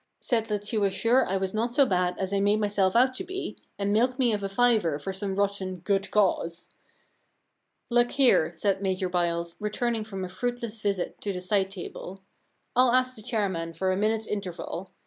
Said that she was sure I was not so bad as I made myself out to be, and milked me of a fiver for some rotten " good cause." Look here,* said Major Byles, returning from a fruitless visit to the side table, * I'll ask the chairman for a minute's interval.